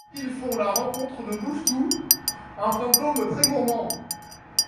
Ils font la rencontre de Bouffe-tout, un fantôme très gourmand.